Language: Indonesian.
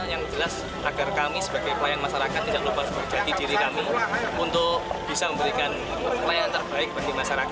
yang jelas agar kami sebagai pelayan masyarakat tidak lupa harus berjati diri kami untuk bisa memberikan pelayanan terbaik bagi masyarakat